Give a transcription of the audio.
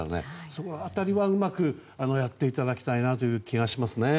その辺りはうまくやっていただきたいなという気がしますね。